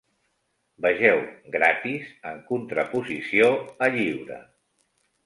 Vegeu "gratis" en contraposició a "lliure".